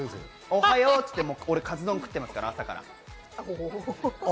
おはようってカツ丼食ってますから、朝から。